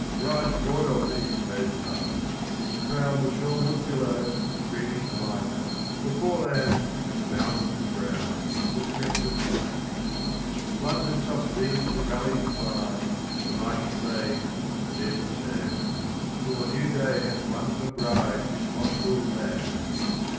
Rise royally, O sun, and crown The shoreward billow, streaming white, The forelands, and the mountains brown, With crested light; Flood with soft beams the valleys wide, The mighty plains, the desert sand, Till the New Day hath won for bride This Austral land!